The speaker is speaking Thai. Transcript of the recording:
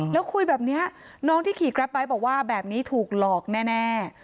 แล้วคุยแบบนี้น้องที่ขี่กราฟไบท์บอกว่าแบบนี้ถูกหลอกแน่